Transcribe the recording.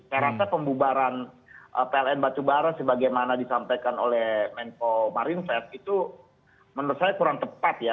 saya rasa pembubaran pln batubara sebagaimana disampaikan oleh menko marinves itu menurut saya kurang tepat ya